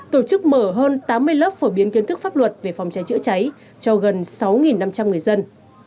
tổ chức mở hơn tám mươi lớp phổ biến kiến thức pháp luật về phòng cháy chữa cháy cho gần sáu năm trăm linh người dân